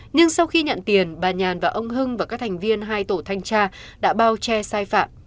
nhưng sau khi nhận tiền bà nhàn và ông hưng và các thành viên hai tổ thanh tra đã bao che sai phạm